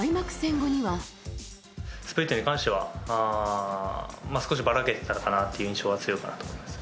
スプリットに関しては、少しばらけてたかなという印象は強いかなと思います。